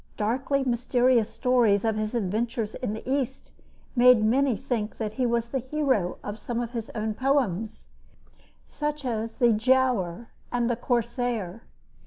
Darkly mysterious stories of his adventures in the East made many think that he was the hero of some of his own poems, such as "The Giaour" and "The Corsair."